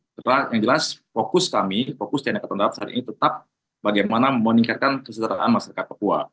setelah yang jelas fokus kami fokus tni angkatan darat saat ini tetap bagaimana meningkatkan kesejahteraan masyarakat papua